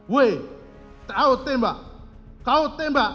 weh kau tembak kau tembak cepat cepat weh kau tembak